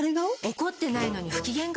怒ってないのに不機嫌顔？